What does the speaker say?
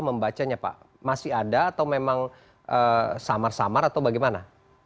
membacanya pak masih ada atau memang samar samar atau bagaimana